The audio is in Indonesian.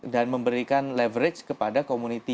dan memberikan leverage kepada community